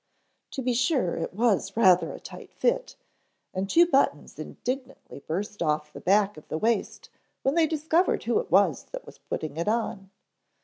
To be sure, it was rather a tight fit and two buttons indignantly burst off the back of the waist when they discovered who it was that was putting it on.